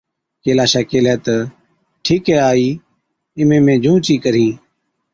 ڪيلاشَي ڪيهلَي تہ، ’ٺِيڪَي آئِي اِمهين مين جھُونچ ئِي ڪرهِين‘۔